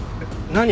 何？